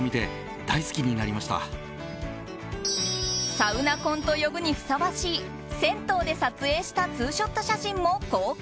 サウナ婚と呼ぶにふさわしい銭湯で撮影したツーショット写真も公開。